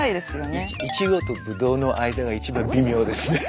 イチゴとブドウの間が一番微妙ですね。